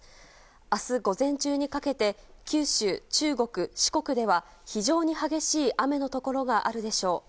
明日午前中にかけて九州、中国、四国では非常に激しい雨のところがあるでしょう。